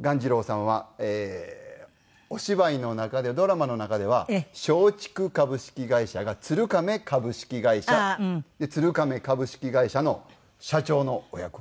鴈治郎さんはえーお芝居の中でドラマの中では松竹株式会社が鶴亀株式会社。で鶴亀株式会社の社長のお役を。